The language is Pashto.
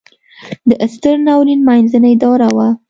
د ستر ناورین منځنۍ دوره وه.